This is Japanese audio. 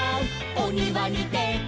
おにわにでて」